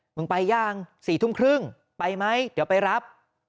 มึงไปยัง๔ทุ่มครึ่งไปไหมเดี๋ยวไปรับ